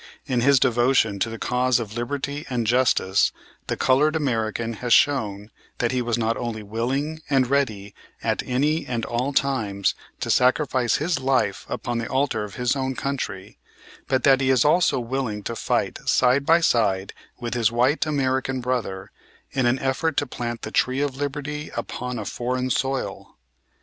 In his devotion to the cause of liberty and justice the colored American has shown that he was not only willing and ready at any and all times to sacrifice his life upon the altar of his own country, but that he is also willing to fight side by side with his white American brother in an effort to plant the tree of liberty upon a foreign soil.